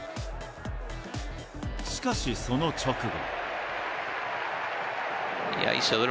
しかし、その直後。